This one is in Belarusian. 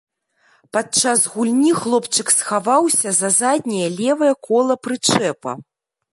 Падчас гульні хлопчык схаваўся за задняе левае кола прычэпа.